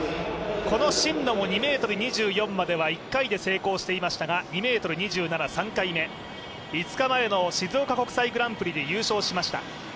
この真野も２ｍ２４までは１回で成功していましたが２ｍ２７、３回目、５日前の静岡国際グランプリで優勝しました。